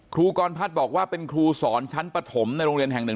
ครูกรพัฒน์บอกว่าเป็นครูสอนชั้นปฐมในโรงเรียนแห่งหนึ่ง